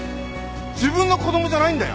自分の子供じゃないんだよ？